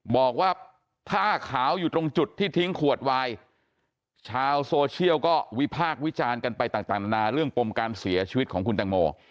บอกว่าผ้าขาวอยู่ตรงจุดที่ทิ้งขวดวายชาวโซเชียลก็วิพากษ์วิจารณ์กันไปต่างนานาเรื่องปมการเสียชีวิตของคุณตังโม